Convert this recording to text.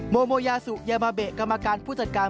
โมโมยาสุยามาเบะกรรมการผู้จัดการ